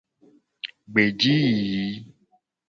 Gbe ji yiyi.